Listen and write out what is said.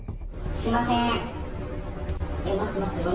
すみません。